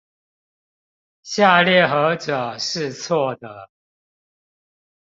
下列何者是錯的？